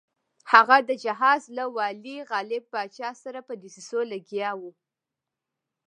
هغه د حجاز له والي غالب پاشا سره په دسیسو لګیا وو.